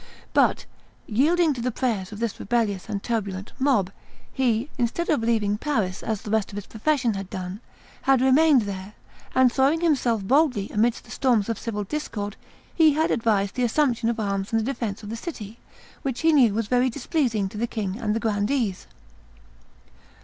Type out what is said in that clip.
But, yielding to the prayers of this rebellious and turbulent mob, he, instead of leaving Paris as the rest of his profession had done, had remained there, and throwing himself boldly amidst the storms of civil discord, he had advised the assumption of arms and the defence of the city, which he knew was very displeasing to the king and the grandees."